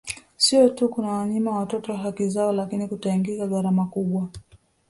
Sio tu kunawanyima watoto haki zao lakini kutaingiza gharama kubwa